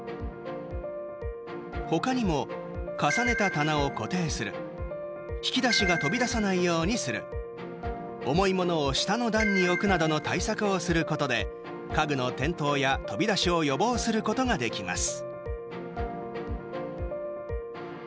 他にも、重ねた棚を固定する引き出しが飛び出さないようにする重いものを下の段に置くなどの対策をすることで家具の転倒や飛び出しを予防することができます。